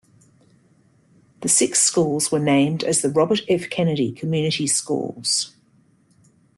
The six schools were named as the Robert F. Kennedy Community Schools.